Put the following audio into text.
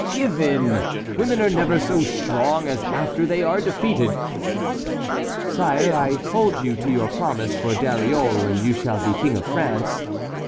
"Give in! Women are never so strong as after they are defeated." "Sire, I hold you to your promise for Dariole when you shall be King of France."